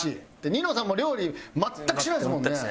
ニノさんも料理全くしないですもんね。